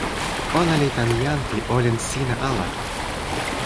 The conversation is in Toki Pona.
ona li tan jan pi olin sina ala.